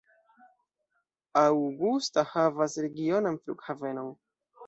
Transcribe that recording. Augusta havas regionan flughavenon.